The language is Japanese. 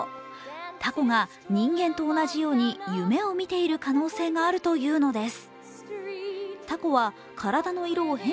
たこが人間と同じように夢を見ている可能性があるというのです。